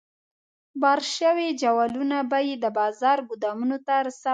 بار شوي جوالونه به یې د بازار ګودامونو ته رسول.